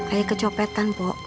ayah kecopetan pok